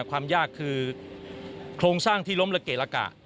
ความยากคือโครงสร้างที่ล้มละเกะละกะ